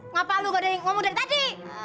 ngapain lu gak ada yang ngomong dari tadi